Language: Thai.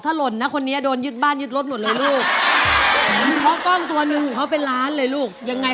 ถ้าเพลงนี้ได้นะอีก๒เพลงเขานั้น